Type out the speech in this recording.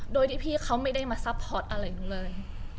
โดยที่พี่เขาไม่ได้มาซัพพอร์ตอะไรหนูเลย